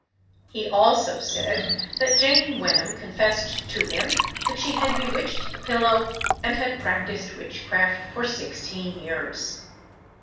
He also said, that Jane Wenham confessed to him that she had bewitched the pillow, and had practised witchcraft for sixteen years.